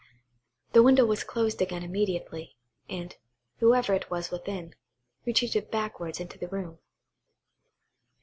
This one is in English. The window was closed again immediately, and, whoever it was within, retreated backwards into the room.